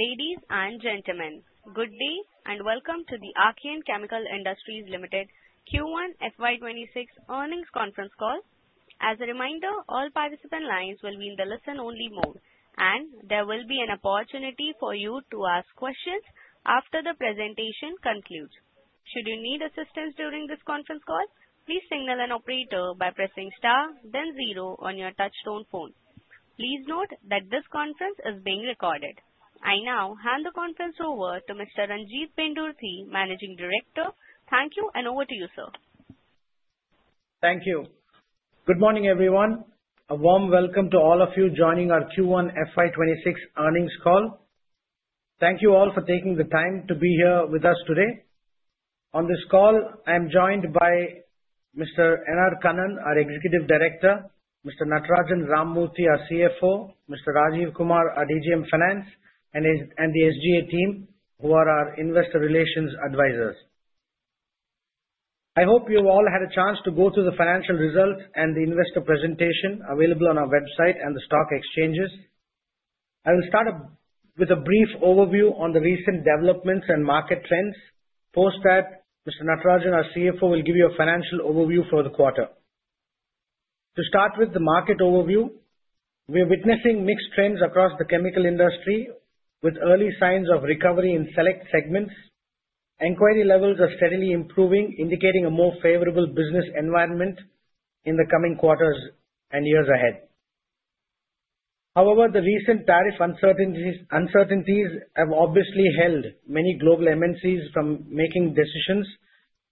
Ladies and gentlemen, good day and welcome to the Archean Chemical Industries Limited Q1 FY26 earnings conference call. As a reminder, all participant lines will be in the listen-only mode, and there will be an opportunity for you to ask questions after the presentation concludes. Should you need assistance during this conference call, please signal an operator by pressing star, then zero on your touch-tone phone. Please note that this conference is being recorded. I now hand the conference over to Mr. Ranjit Pendurthi, Managing Director. Thank you, and over to you, sir. Thank you. Good morning, everyone. A warm welcome to all of you joining our Q1 FY26 earnings call. Thank you all for taking the time to be here with us today. On this call, I am joined by Mr. N. R. Kannan, our Executive Director, Mr. R. Natarajan, our CFO, Mr. Rajiv Kumar, our DGM Finance, and the SGA team, who are our investor relations advisors. I hope you've all had a chance to go through the financial results and the investor presentation available on our website and the stock exchanges. I will start with a brief overview on the recent developments and market trends. Post that, Mr. Natarajan, our CFO, will give you a financial overview for the quarter. To start with the market overview, we are witnessing mixed trends across the chemical industry, with early signs of recovery in select segments. Enquiry levels are steadily improving, indicating a more favorable business environment in the coming quarters and years ahead. However, the recent tariff uncertainties have obviously held many global MNCs from making decisions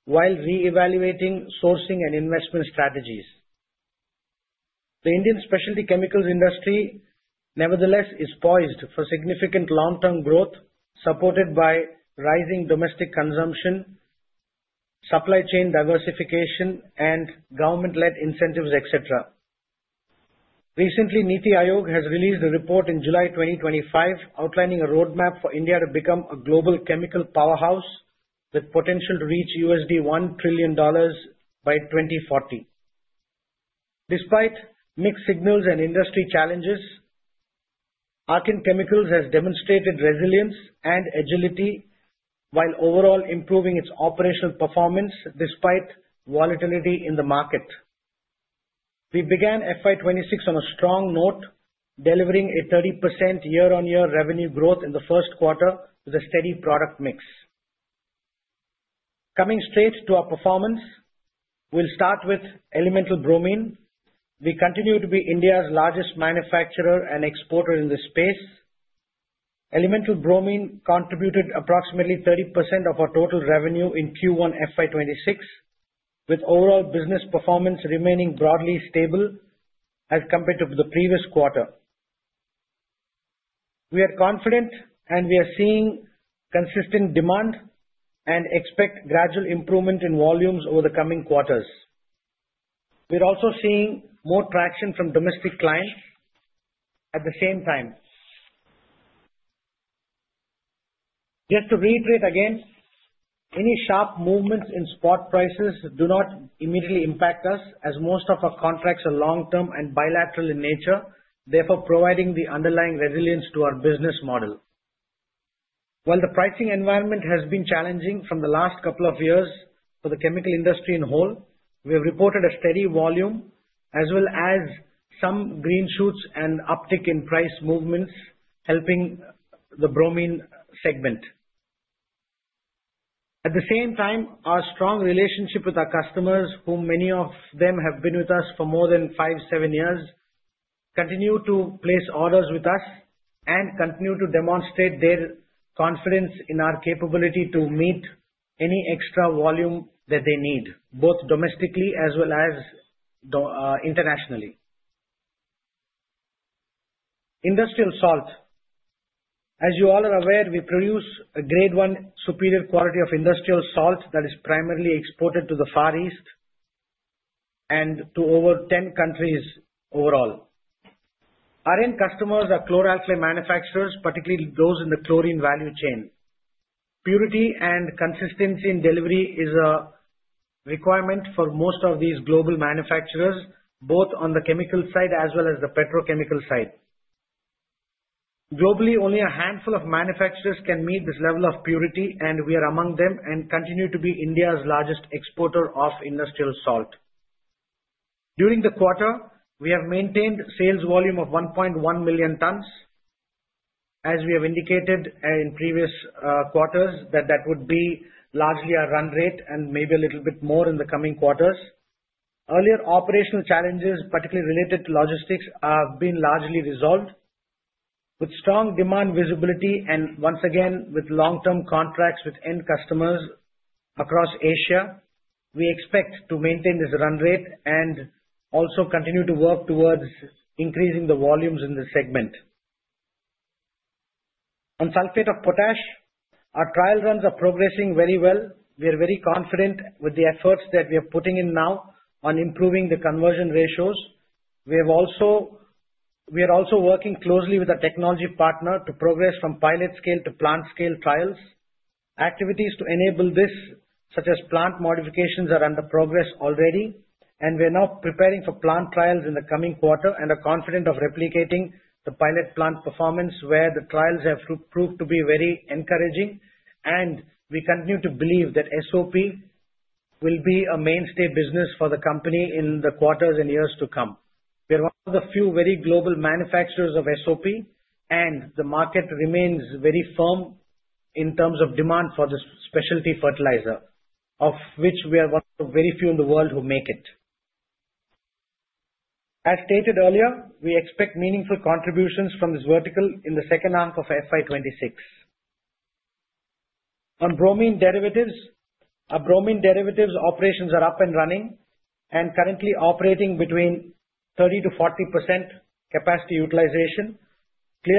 while reevaluating sourcing and investment strategies. The Indian specialty chemicals industry, nevertheless, is poised for significant long-term growth, supported by rising domestic consumption, supply chain diversification, and government-led incentives, etc. Recently, NITI Aayog has released a report in July 2025 outlining a roadmap for India to become a global chemical powerhouse with potential to reach $1 trillion by 2040. Despite mixed signals and industry challenges, Archean Chemicals has demonstrated resilience and agility while overall improving its operational performance despite volatility in the market. We began FY26 on a strong note, delivering a 30% year-on-year revenue growth in the first quarter with a steady product mix. Coming straight to our performance, we'll start with Elemental Bromine. We continue to be India's largest manufacturer and exporter in this space. Elemental Bromine contributed approximately 30% of our total revenue in Q1 FY26, with overall business performance remaining broadly stable as compared to the previous quarter. We are confident, and we are seeing consistent demand and expect gradual improvement in volumes over the coming quarters. We're also seeing more traction from domestic clients at the same time. Just to reiterate again, any sharp movements in spot prices do not immediately impact us, as most of our contracts are long-term and bilateral in nature, therefore providing the underlying resilience to our business model. While the pricing environment has been challenging from the last couple of years for the chemical industry as a whole, we have reported a steady volume as well as some green shoots and uptick in price movements helping the bromine segment. At the same time, our strong relationship with our customers, whom many of them have been with us for more than five, seven years, continue to place orders with us and continue to demonstrate their confidence in our capability to meet any extra volume that they need, both domestically as well as internationally. Industrial salt. As you all are aware, we produce a grade one superior quality of industrial salt that is primarily exported to the Far East and to over 10 countries overall. Our end customers are chlor-alkali manufacturers, particularly those in the chlorine value chain. Purity and consistency in delivery is a requirement for most of these global manufacturers, both on the chemical side as well as the petrochemical side. Globally, only a handful of manufacturers can meet this level of purity, and we are among them and continue to be India's largest exporter of industrial salt. During the quarter, we have maintained sales volume of 1.1 million tons. As we have indicated in previous quarters, that would be largely our run rate and maybe a little bit more in the coming quarters. Earlier operational challenges, particularly related to logistics, have been largely resolved. With strong demand visibility and, once again, with long-term contracts with end customers across Asia, we expect to maintain this run rate and also continue to work towards increasing the volumes in the segment. On sulfate of potash, our trial runs are progressing very well. We are very confident with the efforts that we are putting in now on improving the conversion ratios. We are also working closely with a technology partner to progress from pilot scale to plant scale trials. Activities to enable this, such as plant modifications, are under progress already, and we are now preparing for plant trials in the coming quarter and are confident of replicating the pilot plant performance where the trials have proved to be very encouraging. And we continue to believe that SOP will be a mainstay business for the company in the quarters and years to come. We are one of the few very global manufacturers of SOP, and the market remains very firm in terms of demand for this specialty fertilizer, of which we are one of the very few in the world who make it. As stated earlier, we expect meaningful contributions from this vertical in the second half of FY26. On bromine derivatives, our bromine derivatives operations are up and running and currently operating between 30%-40% capacity utilization.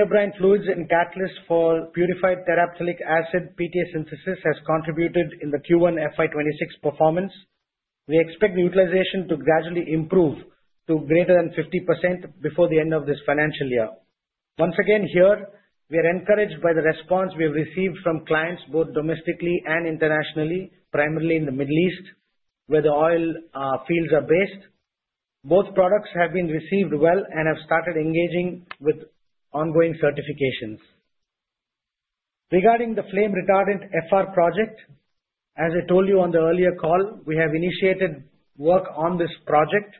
Brine Fluids and catalysts for purified terephthalic acid PTA synthesis has contributed in the Q1 FY26 performance. We expect the utilization to gradually improve to greater than 50% before the end of this financial year. Once again, here, we are encouraged by the response we have received from clients both domestically and internationally, primarily in the Middle East, where the oil fields are based. Both products have been received well and have started engaging with ongoing certifications. Regarding the flame retardant FR project, as I told you on the earlier call, we have initiated work on this project,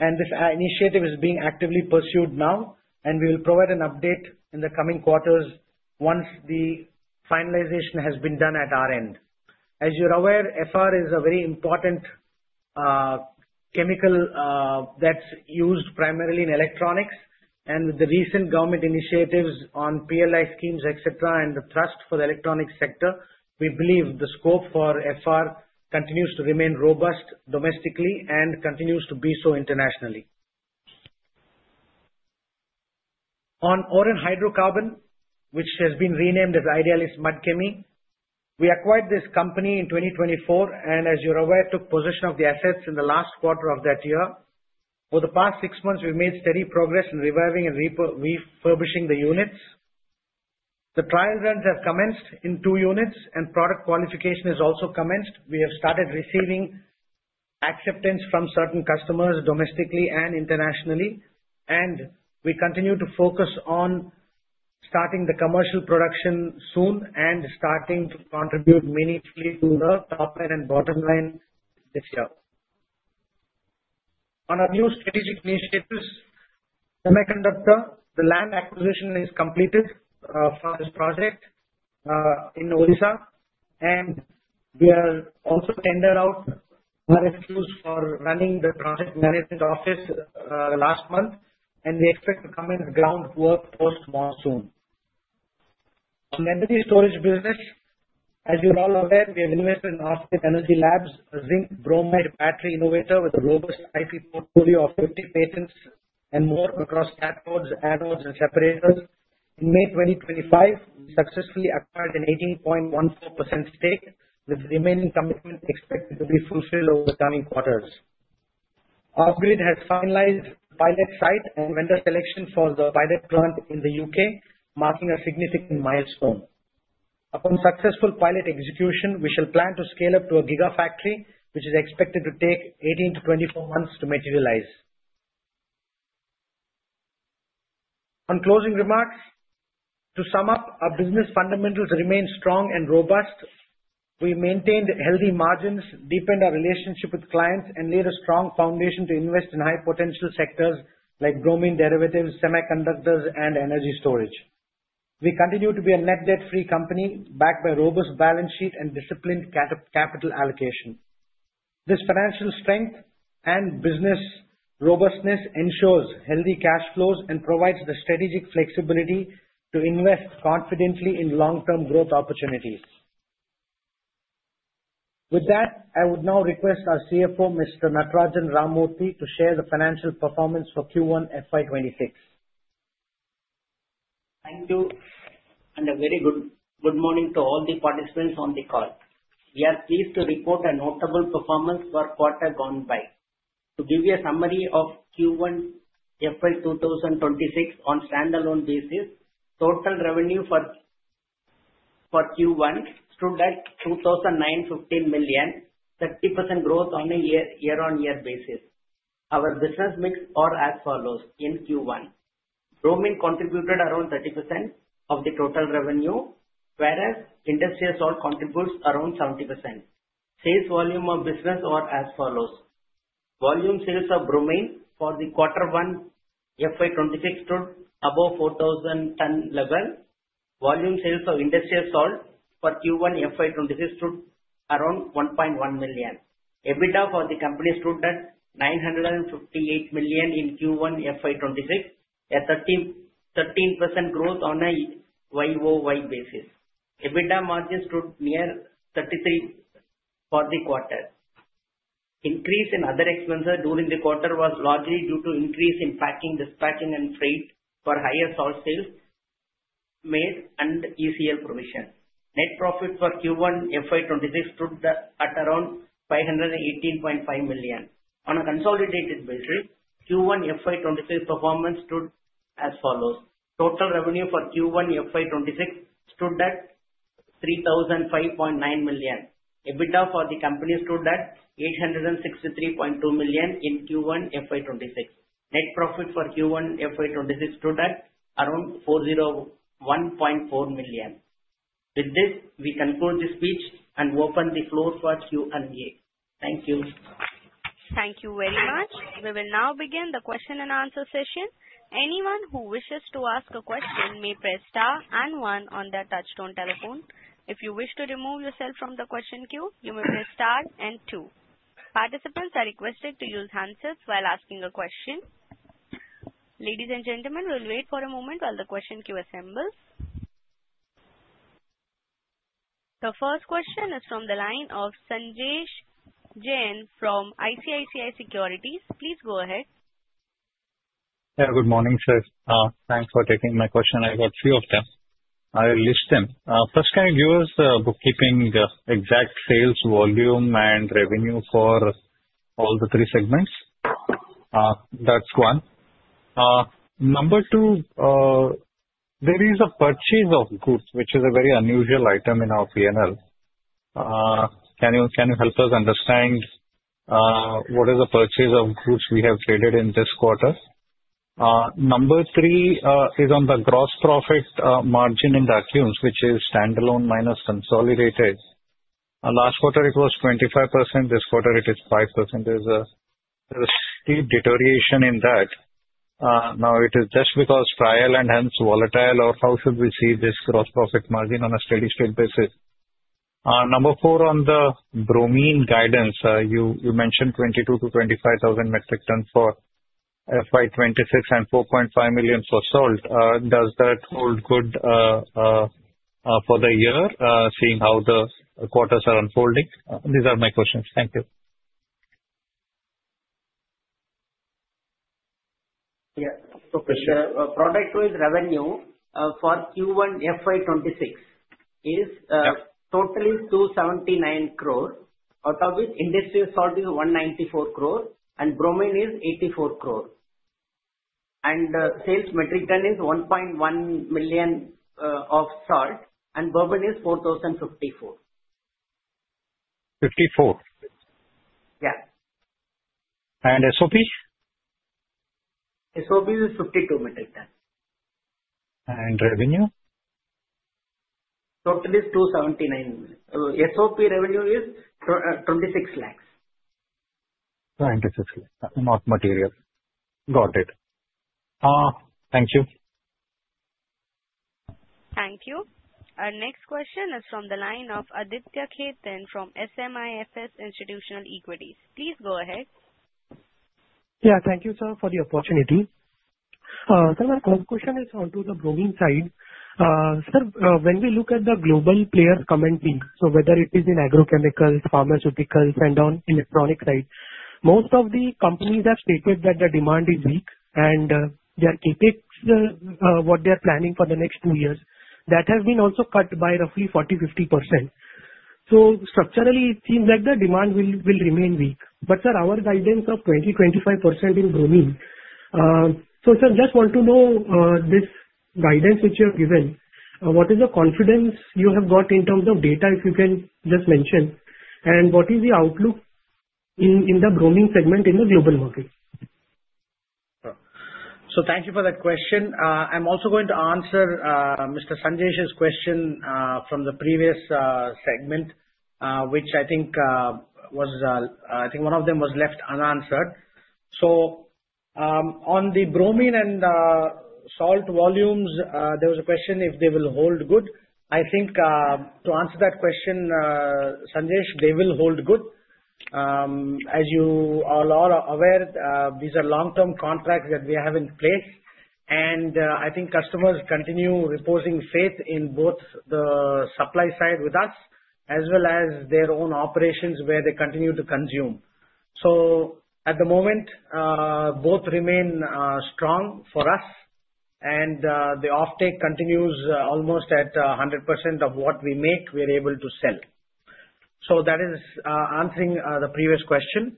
and this initiative is being actively pursued now, and we will provide an update in the coming quarters once the finalization has been done at our end. As you're aware, FR is a very important chemical that's used primarily in electronics, and with the recent government initiatives on PLI schemes, etc., and the thrust for the electronic sector, we believe the scope for FR continues to remain robust domestically and continues to be so internationally. On Oren Hydrocarbons, which has been renamed as Idealis Mudchemie, we acquired this company in 2024 and, as you're aware, took possession of the assets in the last quarter of that year. For the past six months, we've made steady progress in reviving and refurbishing the units. The trial runs have commenced in two units, and product qualification has also commenced. We have started receiving acceptance from certain customers domestically and internationally, and we continue to focus on starting the commercial production soon and starting to contribute meaningfully to the top line and bottom line this year. On our new strategic initiatives, semiconductor, the land acquisition is completed for this project in Odisha, and we have also tendered out RFQs for running the project management office last month, and we expect to commence groundwork post-monsoon. On energy storage business, as you're all aware, we have invested in Offgrid Energy Labs, a zinc-bromide battery innovator with a robust IP portfolio of 50 patents and more across cathodes, anodes, and separators. In May 2025, we successfully acquired an 18.14% stake, with the remaining commitment expected to be fulfilled over the coming quarters. Offgrid Energy Labs has finalized the pilot site and vendor selection for the pilot plant in the U.K., marking a significant milestone. Upon successful pilot execution, we shall plan to scale up to a gigafactory, which is expected to take 18-24 months to materialize. On closing remarks, to sum up, our business fundamentals remain strong and robust. We maintained healthy margins, deepened our relationship with clients, and laid a strong foundation to invest in high-potential sectors like bromine derivatives, semiconductors, and energy storage. We continue to be a net debt-free company backed by a robust balance sheet and disciplined capital allocation. This financial strength and business robustness ensures healthy cash flows and provides the strategic flexibility to invest confidently in long-term growth opportunities. With that, I would now request our CFO, Mr. R. Natarajan, to share the financial performance for Q1 FY26. Thank you, and a very good morning to all the participants on the call. We are pleased to report a notable performance for the quarter gone by. To give you a summary of Q1 FY26 on a standalone basis, total revenue for Q1 stood at 2,915 million, 30% growth on a year-on-year basis. Our business mix is as follows in Q1: Bromine contributed around 30% of the total revenue, whereas industrial salt contributes around 70%. Sales volume of business is as follows: Volume sales of bromine for the quarter one FY26 stood above 4,000 ton level. Volume sales of industrial salt for Q1 FY26 stood around 1.1 million. EBITDA for the company stood at 958 million in Q1 FY26, a 13% growth on a YOY basis. EBITDA margin stood near 33% for the quarter. Increase in other expenses during the quarter was largely due to an increase in packing, dispatching, and freight for higher salt sales made under ECL provision. Net profit for Q1 FY26 stood at around 518.5 million. On a consolidated basis, Q1 FY26 performance stood as follows: Total revenue for Q1 FY26 stood at 3,005.9 million. EBITDA for the company stood at 863.2 million in Q1 FY26. Net profit for Q1 FY26 stood at around 401.4 million. With this, we conclude the speech and open the floor for Q&A. Thank you. Thank you very much. We will now begin the question and answer session. Anyone who wishes to ask a question may press star and one on the touch-tone telephone. If you wish to remove yourself from the question queue, you may press star and two. Participants are requested to use handsets while asking a question. Ladies and gentlemen, we'll wait for a moment while the question queue assembles. The first question is from the line of Sanjay Jain from ICICI Securities. Please go ahead. Yeah, good morning, sir. Thanks for taking my question. I got a few of them. I'll list them. First, can you give us the bookkeeping exact sales volume and revenue for all the three segments? That's one. Number two, there is a purchase of goods, which is a very unusual item in our P&L. Can you help us understand what is the purchase of goods we have traded in this quarter? Number three is on the gross profit margin in the accounts, which is standalone minus consolidated. Last quarter, it was 25%. This quarter, it is 5%. There's a steep deterioration in that. Now, it is just because trial and hence volatile, or how should we see this gross profit margin on a steady-state basis? Number four, on the bromine guidance, you mentioned 22,000-25,000 metric tons for FY26 and 4.5 million for salt. Does that hold good for the year, seeing how the quarters are unfolding? These are my questions. Thank you. Yes, so for sure. Product-wise revenue for Q1 FY26 is totally 279 crore. Out of it, industrial salt is 194 crore, and bromine is 84 crore, and sales metric ton is 1.1 million of salt, and bromine is 4,054. ₹54? Yeah. And SOP? SOP is 52 metric tons. And revenue? Total is 279. SOP revenue is 26 lakhs. ₹26 lakhs, not material. Got it. Thank you. Thank you. Our next question is from the line of Aditya Khetan from SMIFS Institutional Equities. Please go ahead. Yeah, thank you, sir, for the opportunity. Sir, my question is onto the bromine side. Sir, when we look at the global players commenting, so whether it is in agrochemicals, pharmaceuticals, and on electronic side, most of the companies have stated that the demand is weak, and their Capex, what they are planning for the next two years, that has been also cut by roughly 40%-50%. So structurally, it seems like the demand will remain weak. But, sir, our guidance of 20%-25% in bromine. So, sir, just want to know this guidance which you have given, what is the confidence you have got in terms of data, if you can just mention? And what is the outlook in the bromine segment in the global market? So thank you for that question. I'm also going to answer Mr. Sanjay's question from the previous segment, which I think was I think one of them was left unanswered. So on the bromine and salt volumes, there was a question if they will hold good. I think to answer that question, Sanjay, they will hold good. As you are all aware, these are long-term contracts that we have in place, and I think customers continue reposing faith in both the supply side with us as well as their own operations where they continue to consume. So at the moment, both remain strong for us, and the offtake continues almost at 100% of what we make, we're able to sell. So that is answering the previous question.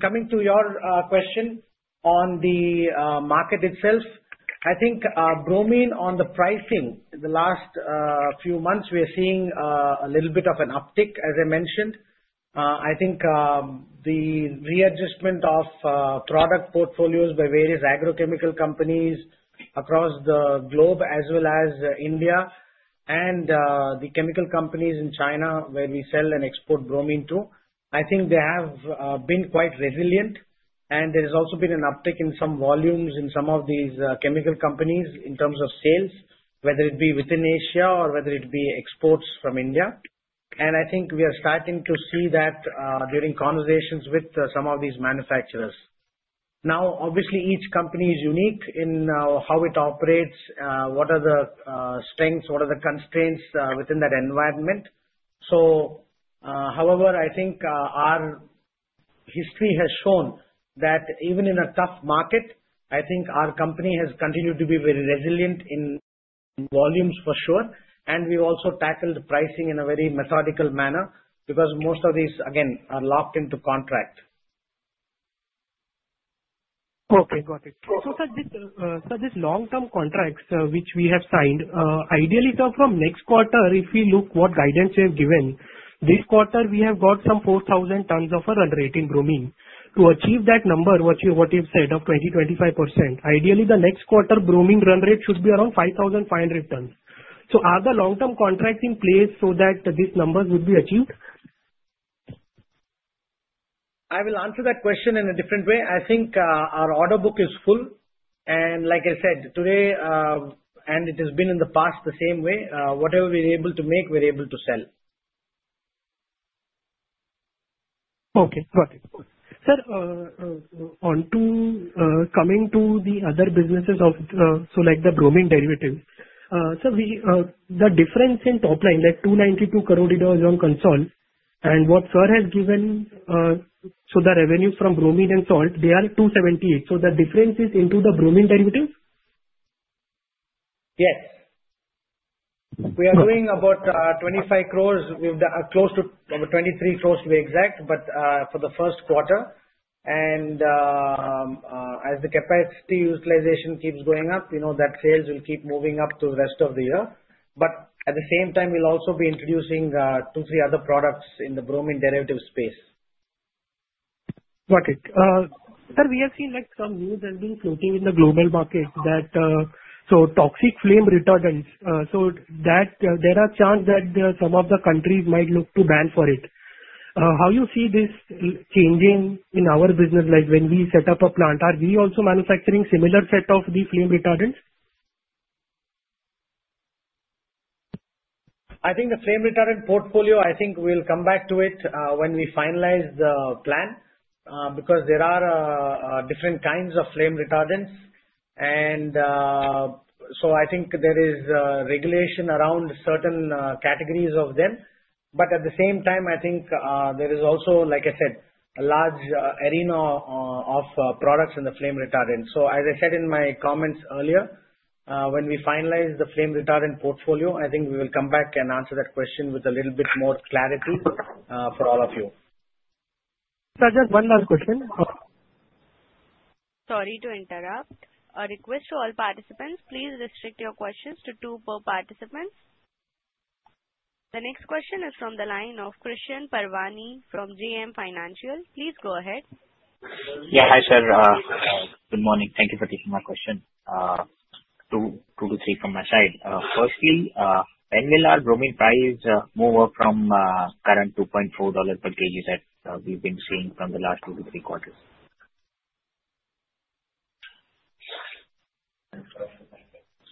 Coming to your question on the market itself, I think bromine on the pricing in the last few months, we are seeing a little bit of an uptick, as I mentioned. I think the readjustment of product portfolios by various agrochemical companies across the globe as well as India and the chemical companies in China where we sell and export bromine to, I think they have been quite resilient, and there has also been an uptick in some volumes in some of these chemical companies in terms of sales, whether it be within Asia or whether it be exports from India. I think we are starting to see that during conversations with some of these manufacturers. Now, obviously, each company is unique in how it operates, what are the strengths, what are the constraints within that environment. So however, I think our history has shown that even in a tough market, I think our company has continued to be very resilient in volumes for sure, and we've also tackled pricing in a very methodical manner because most of these, again, are locked into contract. Okay, got it. So sir, these long-term contracts which we have signed, ideally, sir, from next quarter, if we look at what guidance you have given, this quarter, we have got some 4,000 tons of a run rate in bromine. To achieve that number, what you've said of 20%-25%, ideally, the next quarter bromine run rate should be around 5,500 tons. So are the long-term contracts in place so that these numbers would be achieved? I will answer that question in a different way. I think our order book is full, and like I said, today, and it has been in the past the same way, whatever we're able to make, we're able to sell. Okay, got it. Sir, coming to the other businesses of so like the bromine derivatives, sir, the difference in top line, like INR 292 crore on consolidated, and what sir has given, so the revenue from bromine and salt, they are 278. So the difference is into the bromine derivative? Yes. We are going about 25 crore, close to 23 crore to be exact, but for the first quarter, and as the capacity utilization keeps going up, that sales will keep moving up to the rest of the year, but at the same time, we'll also be introducing two, three other products in the bromine derivative space. Got it. Sir, we have seen some news has been floating in the global market that so toxic flame retardants, so there are chances that some of the countries might look to ban for it. How do you see this changing in our business? Like when we set up a plant, are we also manufacturing a similar set of the flame retardants? I think the flame retardant portfolio, I think we'll come back to it when we finalize the plan because there are different kinds of flame retardants. And so I think there is regulation around certain categories of them. But at the same time, I think there is also, like I said, a large arena of products in the flame retardants. So as I said in my comments earlier, when we finalize the flame retardant portfolio, I think we will come back and answer that question with a little bit more clarity for all of you. Sir, just one last question. Sorry to interrupt. A request to all participants, please restrict your questions to two per participant. The next question is from the line of Krishan Parwani from JM Financial. Please go ahead. Yeah, hi sir. Good morning. Thank you for taking my question. Two to three from my side. Firstly, when will our bromine price move up from current $2.4 per kg that we've been seeing from the last two to three quarters?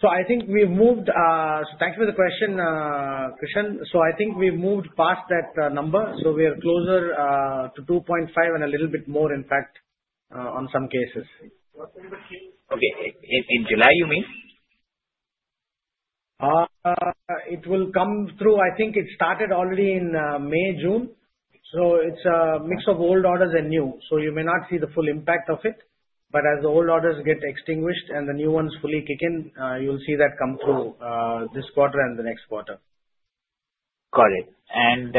So I think we've moved, so thanks for the question, Krishan. So I think we've moved past that number. So we are closer to 2.5 and a little bit more, in fact, in some cases. Okay. In July, you mean? It will come through. I think it started already in May, June. So it's a mix of old orders and new. So you may not see the full impact of it. But as the old orders get extinguished and the new ones fully kick in, you'll see that come through this quarter and the next quarter. Got it. And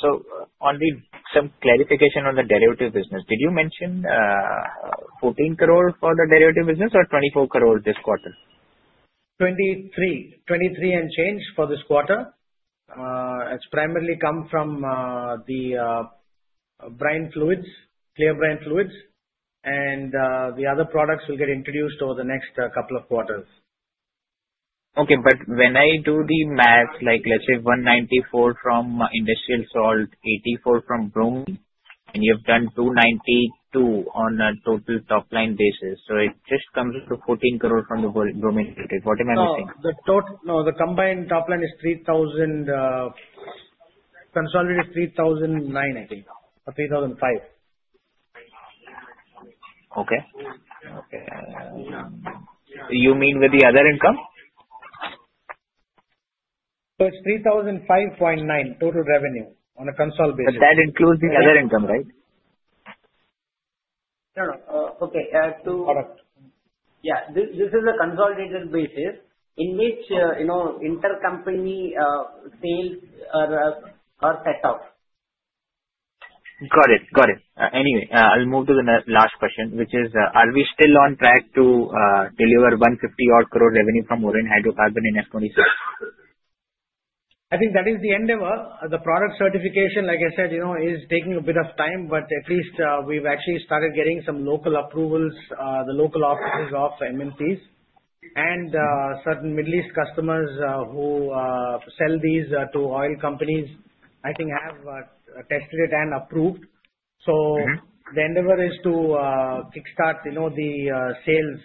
so only some clarification on the derivative business. Did you mention 14 crore for the derivative business or 24 crore this quarter? 23 and change for this quarter. It's primarily come from the brine fluids, clear brine fluids, and the other products will get introduced over the next couple of quarters. Okay. But when I do the math, like let's say 194 from industrial salt, 84 from bromine, and you have done 292 on a total top line basis. So it just comes to 14 crore from the bromine derivative. What am I missing? No, the combined top line is 3,000 consolidated, 3,009, I think, or 3,005. Okay. Okay. You mean with the other income? It's 3,005.9 total revenue on a consolidated basis. But that includes the other income, right? No, no. Okay. Product. Yeah. This is a consolidated basis in which intercompany sales are set up. Got it. Got it. Anyway, I'll move to the last question, which is, are we still on track to deliver 150 crore revenue from Oren Hydrocarbons in FY26? I think that is the end of the product certification. Like I said, it is taking a bit of time, but at least we've actually started getting some local approvals, the local offices of MNCs. Certain Middle East customers who sell these to oil companies, I think, have tested it and approved. So the endeavor is to kickstart the sales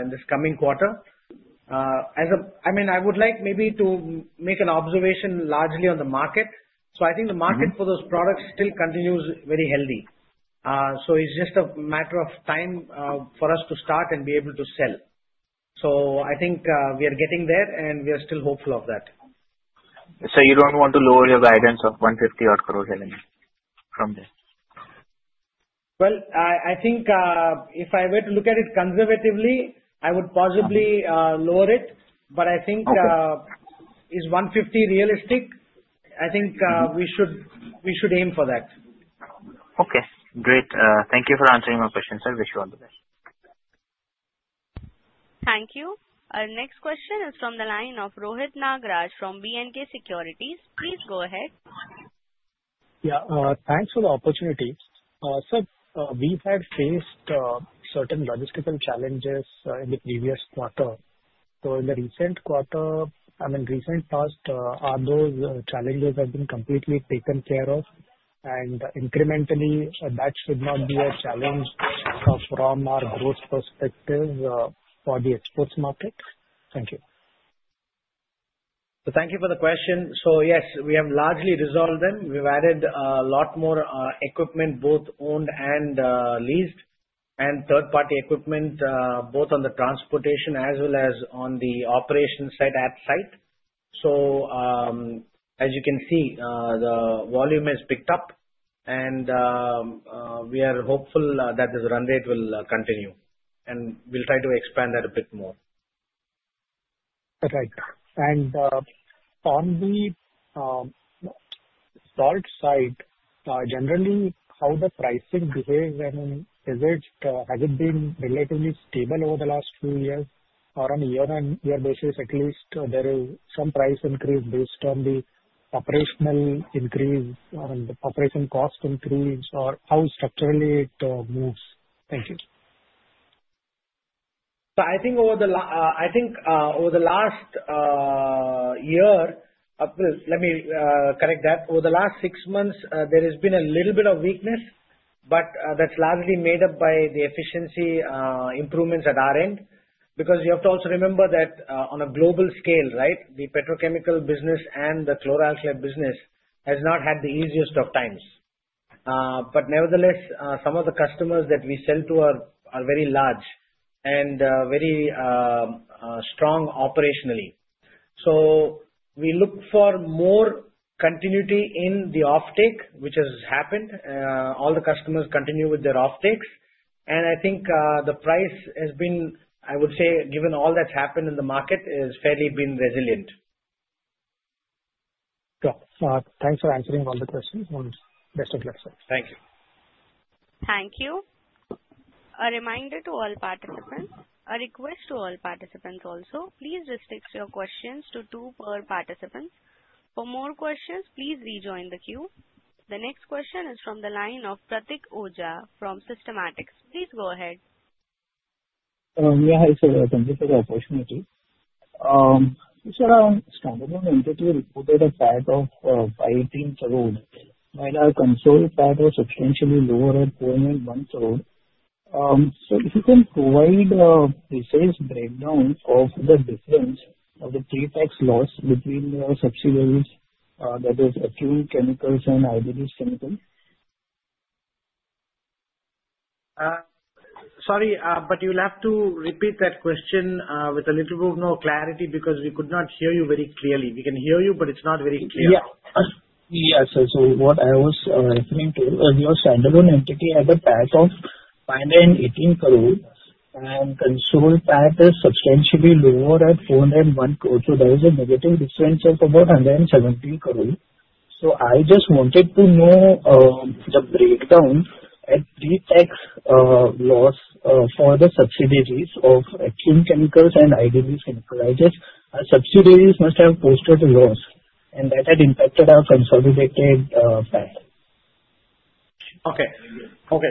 in this coming quarter. I mean, I would like maybe to make an observation largely on the market. So I think the market for those products still continues very healthy. So it's just a matter of time for us to start and be able to sell. So I think we are getting there, and we are still hopeful of that. So you don't want to lower your guidance of ₹150 crore revenue from there? I think if I were to look at it conservatively, I would possibly lower it. I think is 150 realistic? I think we should aim for that. Okay. Great. Thank you for answering my question, sir. Wish you all the best. Thank you. Our next question is from the line of Rohit Nagraj from B&K Securities. Please go ahead. Yeah. Thanks for the opportunity. Sir, we've had faced certain logistical challenges in the previous quarter. So in the recent quarter, I mean, recent past, are those challenges have been completely taken care of? And incrementally, that should not be a challenge from our growth perspective for the exports market. Thank you. So thank you for the question. So yes, we have largely resolved them. We've added a lot more equipment, both owned and leased, and third-party equipment, both on the transportation as well as on the operation site. So as you can see, the volume has picked up, and we are hopeful that this run rate will continue. And we'll try to expand that a bit more. All right. And on the salt side, generally, how the pricing behaves, I mean, has it been relatively stable over the last few years or on a year-on-year basis, at least, there is some price increase based on the operational increase and operation cost increase or how structurally it moves? Thank you. So I think over the last year, well, let me correct that. Over the last six months, there has been a little bit of weakness, but that's largely made up by the efficiency improvements at our end because you have to also remember that on a global scale, right, the petrochemical business and the chlor-alkali business has not had the easiest of times. But nevertheless, some of the customers that we sell to are very large and very strong operationally. So we look for more continuity in the offtake, which has happened. All the customers continue with their offtakes. And I think the price has been, I would say, given all that's happened in the market, has fairly been resilient. Yeah. Thanks for answering all the questions. Best of luck, sir. Thank you. Thank you. A reminder to all participants, a request to all participants also, please restrict your questions to two per participant. For more questions, please rejoin the queue. The next question is from the line of Pratik Tholiya from Systematix Group. Please go ahead. Yeah. I thank you for the opportunity. Sir, our standalone entity reported a PAT of INR 18 crore. While our consolidated PAT was substantially lower at INR 1 crore, sir, if you can provide a precise breakdown of the difference of the INR 3 crore loss between the subsidiaries, that is, Acum Chemicals and Idealis Chemicals? Sorry, but you'll have to repeat that question with a little bit more clarity because we could not hear you very clearly. We can hear you, but it's not very clear. Yeah. Yeah. So what I was referring to, your standalone entity had a PAT of 518 crore, and consolidated PAT is substantially lower at 401 crore. So there is a negative difference of about 170 crore. So I just wanted to know the breakdown of EBITDA loss for the subsidiaries of Acum Chemicals and Idealis Chemicals. I just, our subsidiaries must have posted a loss, and that had impacted our consolidated PAT. Okay.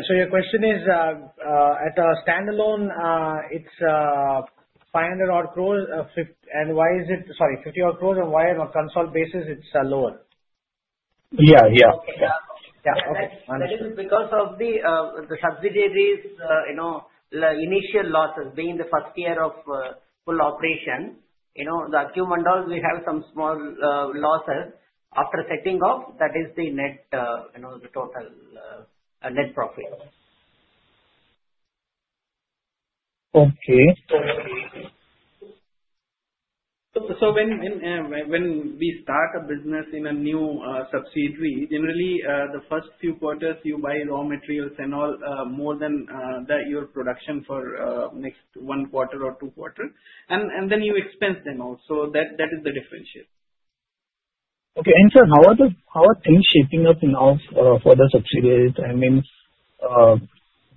So your question is, at standalone, it's 500 crore, and why is it sorry, 50 crore, and why on a consolidated basis, it's lower? Yeah, yeah. Okay. Yeah. Okay. Understood. That is because of the subsidiaries' initial losses being the first year of full operation. The few M&As, we have some small losses after setting off. That is the net, the total net profit. Okay. So when we start a business in a new subsidiary, generally, the first few quarters, you buy raw materials and all more than your production for next one quarter or two quarters. And then you expense them out. So that is the difference. Okay. And sir, how are things shaping up now for the subsidiaries? I mean,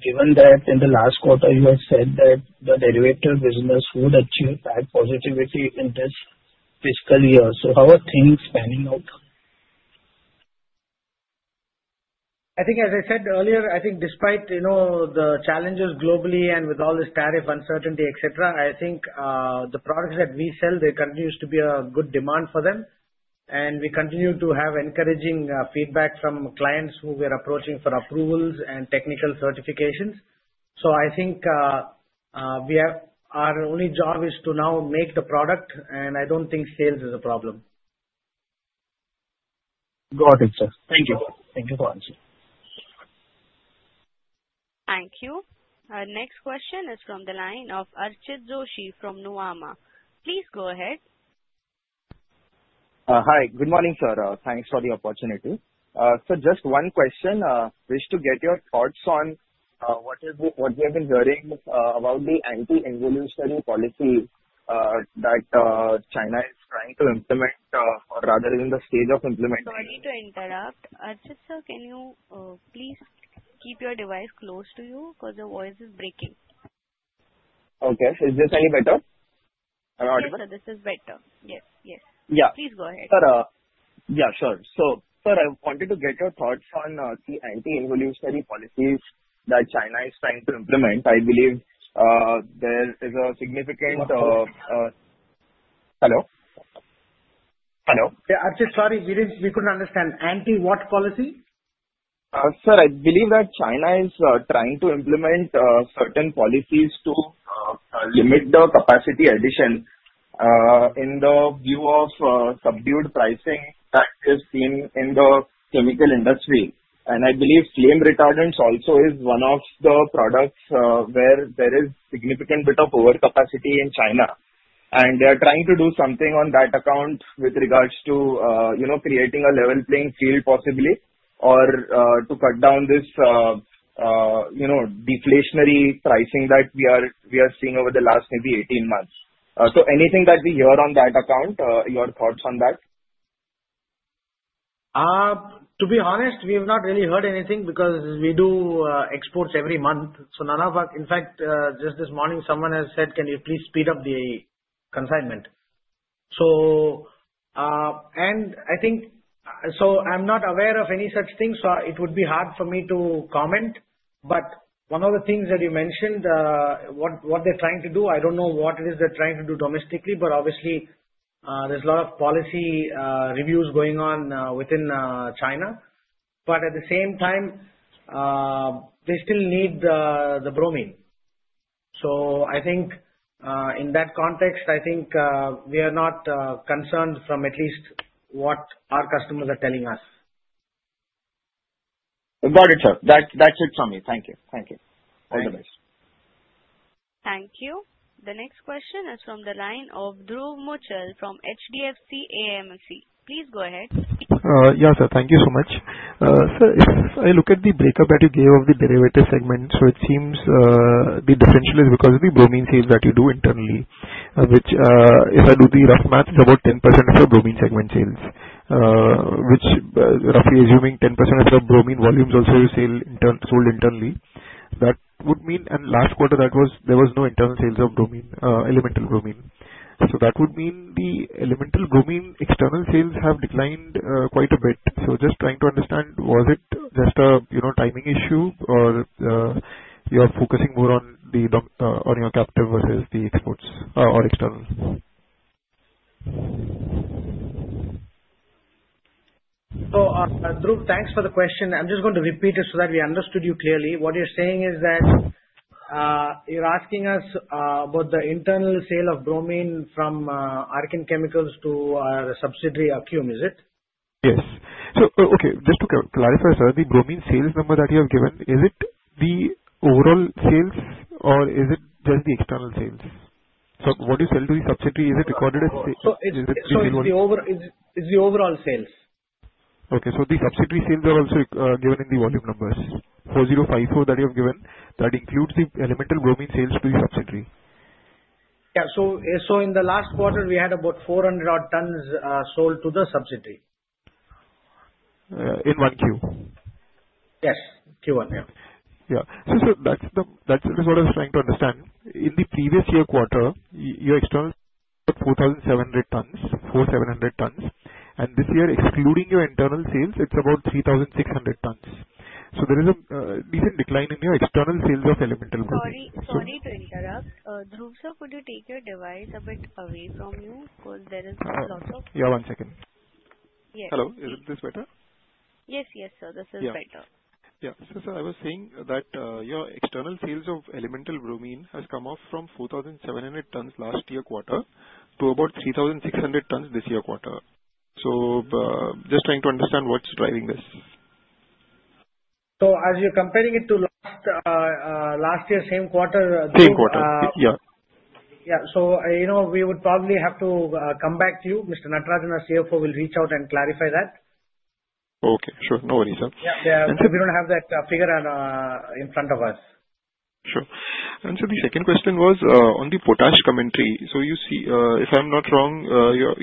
given that in the last quarter, you have said that the derivative business would achieve that positivity in this fiscal year. So how are things panning out? I think, as I said earlier, I think despite the challenges globally and with all this tariff uncertainty, etc., I think the products that we sell, there continues to be a good demand for them, and we continue to have encouraging feedback from clients who we are approaching for approvals and technical certifications, so I think our only job is to now make the product, and I don't think sales is a problem. Got it, sir. Thank you. Thank you for answering. Thank you. Our next question is from the line of Archit Joshi from Nuvama. Please go ahead. Hi. Good morning, sir. Thanks for the opportunity. Sir, just one question. I wish to get your thoughts on what we have been hearing about the anti-dumping policy that China is trying to implement or rather in the stage of implementation. Sorry to interrupt. Archit sir, can you please keep your device close to you because the voice is breaking? Okay. Is this any better? Am I audible? Yes, sir. This is better. Yes, yes. Please go ahead. Yeah. Sure. So sir, I wanted to get your thoughts on the anti-evolutionary policies that China is trying to implement. I believe there is a significant. Hello? Hello? Yeah. Archit, sorry. We couldn't understand. Archit what policy? Sir, I believe that China is trying to implement certain policies to limit the capacity addition in the view of subdued pricing that is seen in the chemical industry. And I believe flame retardants also is one of the products where there is a significant bit of overcapacity in China. And they are trying to do something on that account with regards to creating a level playing field possibly or to cut down this deflationary pricing that we are seeing over the last maybe 18 months. So anything that we hear on that account, your thoughts on that? To be honest, we have not really heard anything because we do exports every month, so none of us, in fact, just this morning, someone has said, "Can you please speed up the consignment?", and I think so I'm not aware of any such thing, so it would be hard for me to comment, but one of the things that you mentioned, what they're trying to do, I don't know what it is they're trying to do domestically, but obviously, there's a lot of policy reviews going on within China, but at the same time, they still need the bromine, so in that context, I think we are not concerned from at least what our customers are telling us. Got it, sir. That's it from me. Thank you. Thank you. All the best. Thank you. The next question is from the line of Dhruv Muchhal from HDFC AMC. Please go ahead. Yes, sir. Thank you so much. Sir, if I look at the breakup that you gave of the derivative segment, so it seems the differential is because of the bromine sales that you do internally, which if I do the rough math, it's about 10% of your bromine segment sales, which roughly assuming 10% of your bromine volumes also you sell internally. That would mean, and last quarter, there was no internal sales of elemental bromine. So that would mean the elemental bromine external sales have declined quite a bit. So just trying to understand, was it just a timing issue or you're focusing more on your captive versus the exports or external? Dhruv, thanks for the question. I'm just going to repeat it so that we understood you clearly. What you're saying is that you're asking us about the internal sale of bromine from Archean Chemicals to the subsidiary Acum, is it? Yes. So okay. Just to clarify, sir, the bromine sales number that you have given, is it the overall sales or is it just the external sales? So what you sell to the subsidiary, is it recorded as sales? It's the overall sales. Okay. So the subsidiary sales are also given in the volume numbers, 4054 that you have given, that includes the elemental bromine sales to the subsidiary? Yeah, so in the last quarter, we had about 400-odd tons sold to the subsidiary. In 1Q? Yes. Q1, yeah. Yeah, so sir, that's what I was trying to understand. In the previous year quarter, your external sales were 4,700 tons, 4,700 tons. And this year, excluding your internal sales, it's about 3,600 tons, so there is a decent decline in your external sales of elemental bromine. Sorry to interrupt. Dhruv sir, could you take your device a bit away from you because there is a lot of. Yeah. One second. Yes. Hello. Is this better? Yes, yes, sir. This is better. Yeah. So sir, I was saying that your external sales of elemental bromine has come up from 4,700 tons last year quarter to about 3,600 tons this year quarter. So just trying to understand what's driving this. So as you're comparing it to last year's same quarter. Same quarter. Yeah. Yeah. So we would probably have to come back to you. Mr. Natarajan, our CFO, will reach out and clarify that. Okay. Sure. No worries, sir. Yeah, and sir, we don't have that figure in front of us. Sure. And sir, the second question was on the potash commentary. So if I'm not wrong,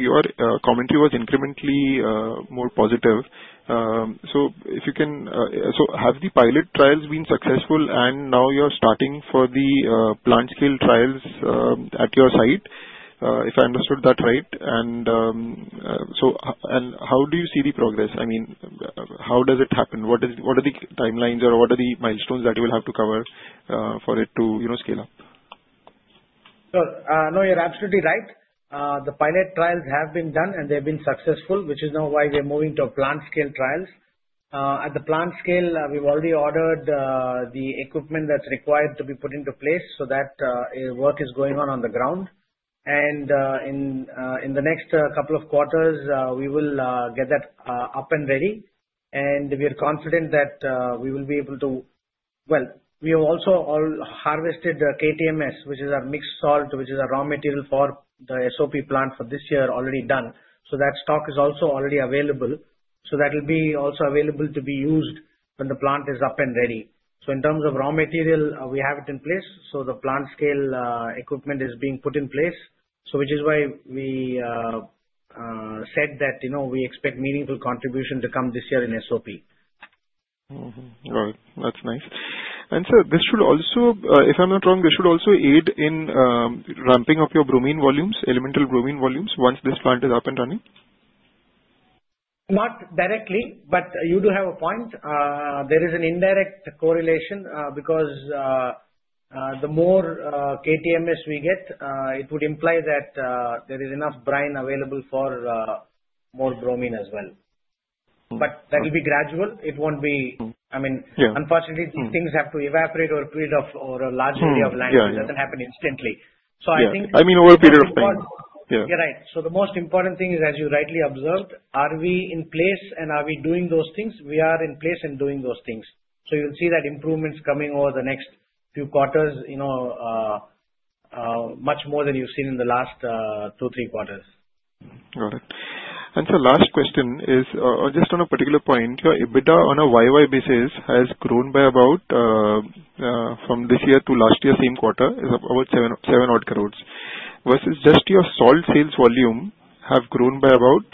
your commentary was incrementally more positive. So, have the pilot trials been successful, and now you're starting the plant-scale trials at your site, if I understood that right? And how do you see the progress? I mean, how does it happen? What are the timelines or what are the milestones that you will have to cover for it to scale up? Sir, no, you're absolutely right. The pilot trials have been done, and they've been successful, which is now why we're moving to plant-scale trials. At the plant scale, we've already ordered the equipment that's required to be put into place, so that work is going on on the ground. And in the next couple of quarters, we will get that up and ready. And we are confident that we will be able to well, we have also harvested KTMS, which is our mixed salt, which is our raw material for the SOP plant for this year, already done. So that stock is also already available. So that will be also available to be used when the plant is up and ready. So in terms of raw material, we have it in place. The plant-scale equipment is being put in place, which is why we said that we expect meaningful contribution to come this year in SOP. Right. That's nice. And sir, this should also if I'm not wrong, this should also aid in ramping up your bromine volumes, elemental bromine volumes, once this plant is up and running? Not directly, but you do have a point. There is an indirect correlation because the more KTMS we get, it would imply that there is enough brine available for more bromine as well. But that will be gradual. It won't be I mean, unfortunately, these things have to evaporate over a period of or a large area of land. It doesn't happen instantly. So I think. Yeah. I mean, over a period of time. Yeah. You're right. So the most important thing is, as you rightly observed, are we in place and are we doing those things? We are in place and doing those things. So you'll see that improvements coming over the next few quarters, much more than you've seen in the last two, three quarters. Got it. And sir, last question is just on a particular point. Your EBITDA on a YY basis has grown by about from this year to last year's same quarter is about seven-odd crores versus just your salt sales volume have grown by about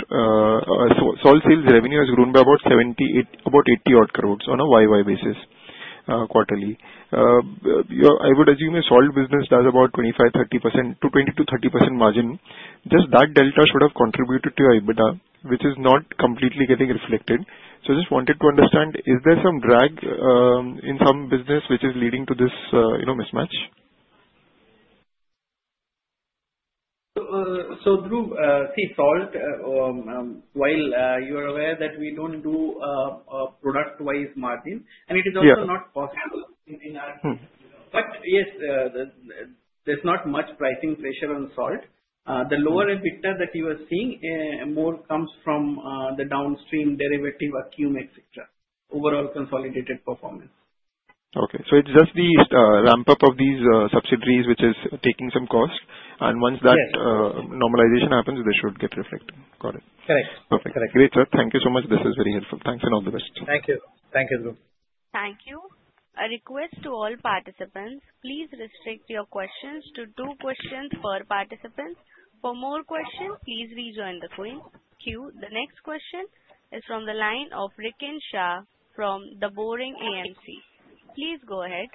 salt sales revenue has grown by about 80-odd crores on a YY basis quarterly. I would assume a salt business does about 25%-30%, 20%-30% margin. Just that delta should have contributed to your EBITDA, which is not completely getting reflected. So just wanted to understand, is there some drag in some business which is leading to this mismatch? So, Dhruv, see, salt, while you are aware that we don't do product-wise margin, and it is also not possible in our, but yes, there's not much pricing pressure on salt. The lower EBITDA that you are seeing more comes from the downstream derivative vacuum, etc., overall consolidated performance. Okay. So it's just the ramp-up of these subsidiaries which is taking some cost. And once that normalization happens, they should get reflected. Got it. Correct. Correct. Perfect. Great, sir. Thank you so much. This is very helpful. Thanks and all the best. Thank you. Thank you, Dhruv. Thank you. A request to all participants, please restrict your questions to two questions per participant. For more questions, please rejoin the queue. The next question is from the line of Rikin Shah from the Boring AMC. Please go ahead.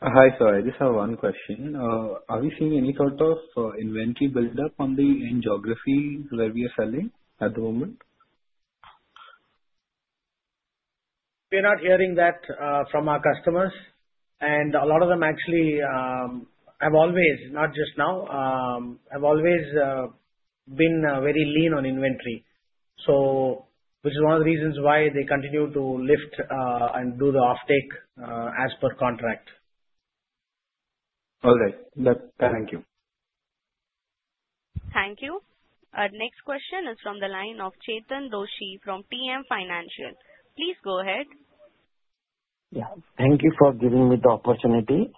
Hi, sir. I just have one question. Are we seeing any sort of inventory build-up on the geography where we are selling at the moment? We're not hearing that from our customers, and a lot of them actually have always not just now have always been very lean on inventory, which is one of the reasons why they continue to lift and do the offtake as per contract. All right. Thank you. Thank you. Our next question is from the line of Chetan Doshi from JM Financial. Please go ahead. Yeah. Thank you for giving me the opportunity.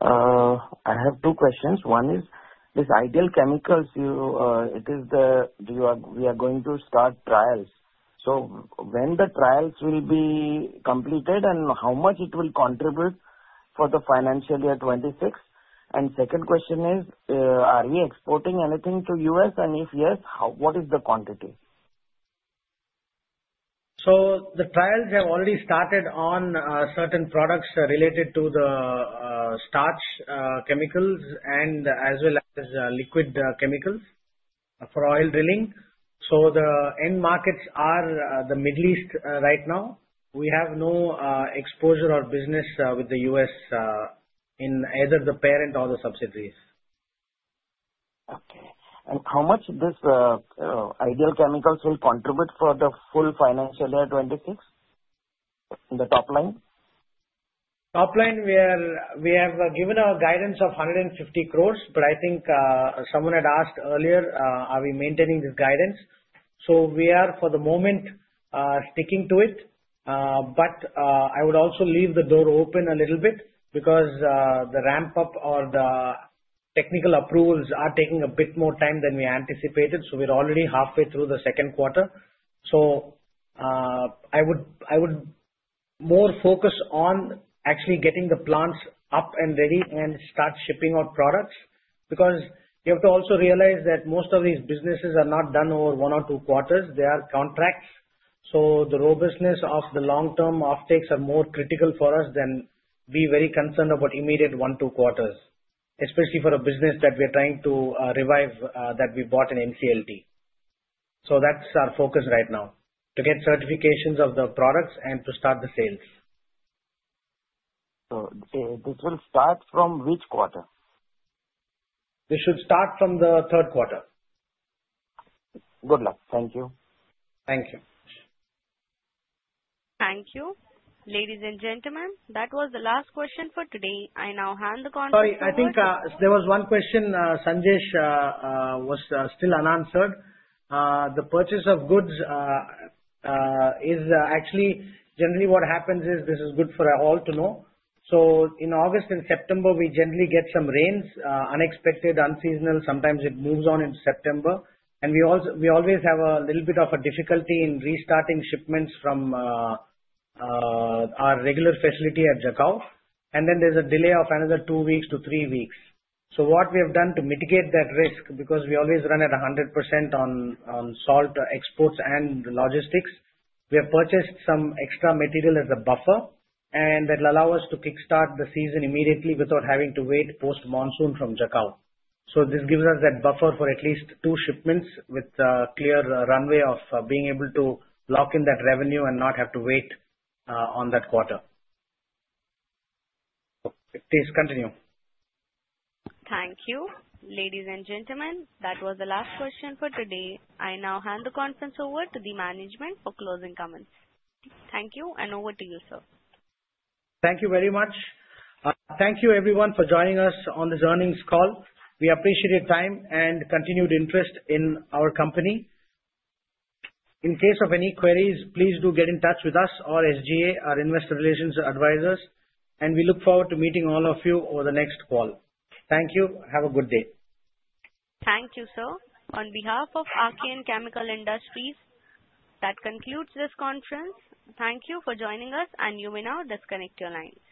I have two questions. One is, this Idealis Mud Chemie, it is the we are going to start trials. So when the trials will be completed and how much it will contribute for the financial year 2026? And second question is, are we exporting anything to U.S.? And if yes, what is the quantity? So the trials have already started on certain products related to the starch chemicals and as well as liquid chemicals for oil drilling. So the end markets are the Middle East right now. We have no exposure or business with the U.S. in either the parent or the subsidiaries. Okay. And how much these Idealis Chemicals will contribute for the full financial year 2026 in the top line? Top line, we have given our guidance of 150 crores, but I think someone had asked earlier, are we maintaining this guidance? So we are, for the moment, sticking to it. But I would also leave the door open a little bit because the ramp-up or the technical approvals are taking a bit more time than we anticipated. So we're already halfway through the second quarter. So I would more focus on actually getting the plants up and ready and start shipping out products because you have to also realize that most of these businesses are not done over one or two quarters. They are contracts. So the robustness of the long-term offtakes are more critical for us than be very concerned about immediate one or two quarters, especially for a business that we are trying to revive that we bought in NCLT. So that's our focus right now, to get certifications of the products and to start the sales. This will start from which quarter? This should start from the third quarter. Good luck. Thank you. Thank you. Thank you. Ladies and gentlemen, that was the last question for today. I now hand the conference over. Sorry, I think there was one question Sanjay's that was still unanswered. The purchase of goods is actually generally what happens is this is good for all to know. So in August and September, we generally get some rains, unexpected, unseasonal. Sometimes it moves on into September. And we always have a little bit of a difficulty in restarting shipments from our regular facility at Jakhau. And then there's a delay of another two weeks to three weeks. So what we have done to mitigate that risk because we always run at 100% on salt exports and logistics, we have purchased some extra material as a buffer, and that will allow us to kickstart the season immediately without having to wait post-monsoon from Jakhau. So this gives us that buffer for at least two shipments with a clear runway of being able to lock in that revenue and not have to wait on that quarter. Please continue. Thank you. Ladies and gentlemen, that was the last question for today. I now hand the conference over to the management for closing comments. Thank you. And over to you, sir. Thank you very much. Thank you, everyone, for joining us on this earnings call. We appreciate your time and continued interest in our company. In case of any queries, please do get in touch with us or SGA, our investor relations advisors. And we look forward to meeting all of you over the next call. Thank you. Have a good day. Thank you, sir. On behalf of Archean Chemical Industries, that concludes this conference. Thank you for joining us, and you may now disconnect your lines.